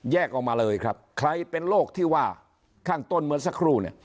แยกออกมาเลยครับใครเป็นโรคที่ว่าข้างต้นเหมือนสักครู่